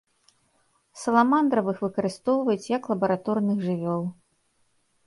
Саламандравых выкарыстоўваюць як лабараторных жывёл.